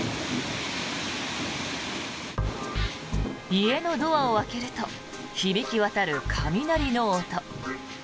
家のドアを開けると響き渡る雷の音。